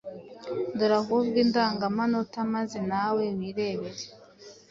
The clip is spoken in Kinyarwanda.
Dore ahubwo indangamanota maze nawe wirebere!